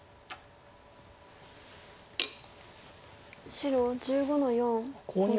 白１５の四コウ取り。